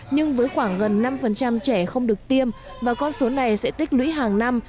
nhưng với khoảng gần năm trẻ không được tiêm và con số này sẽ tích lũy hàng năm